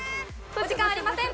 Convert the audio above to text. お時間ありません。